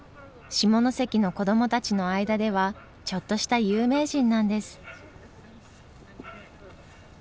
下関の子どもたちの間ではちょっとした有名人なんです。